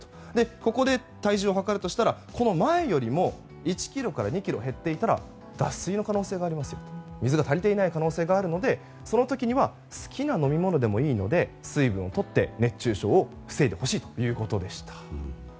ここで体重を量るとしたら前よりも１ｋｇから２ｋｇ減っていたら脱水の可能性があるということでその時には好きな飲み物でもいいので水分をとって熱中症を防いでほしいということでした。